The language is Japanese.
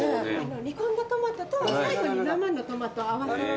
煮込んだトマトと最後に生のトマトを合わせて。